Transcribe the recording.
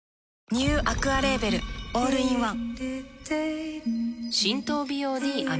ニューアクアレーベルオールインワン